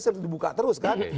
sampai dibuka terus kan